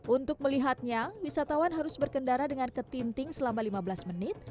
untuk melihatnya wisatawan harus berkendara dengan ketinting selama lima belas menit